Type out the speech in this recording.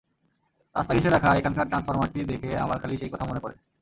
রাস্তা ঘেঁষে রাখা এখানকার ট্রান্সফরমারটি দেখে আমার খালি সেই কথা মনে পড়ে।